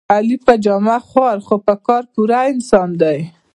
علي په جامه خوار خو په کار پوره انسان دی.